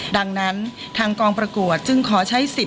ดังนั้นทางกองประกวดจึงขอใช้สิทธิ